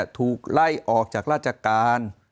ถูกไล่ออกจากราชการ